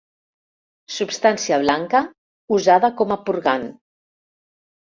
Substància blanca usada com a purgant.